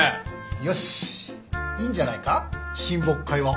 よしいいんじゃないか親睦会はお泊まり会で。